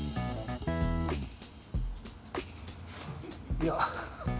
いや。